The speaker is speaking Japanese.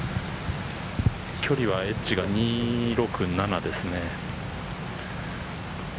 距離はエッジが２６７ですね。